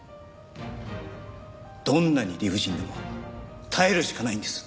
どんなに理不尽でも耐えるしかないんです。